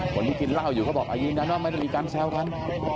คนที่กินเหล้าอยู่ก็บอกอายุนั้นไม่มีการแซวทั้ง